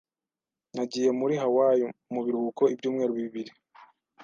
Nagiye muri Hawaii mu biruhuko ibyumweru bibiri.